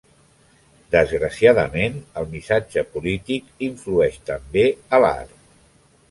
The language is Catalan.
Desgraciadament el missatge polític influeix també a l'art.